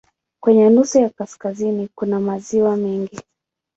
Kwenye nusu ya kaskazini kuna maziwa mengi.